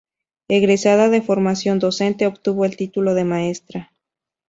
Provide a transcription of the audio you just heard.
Egresada de Formación Docente, obtuvo el título de Maestra.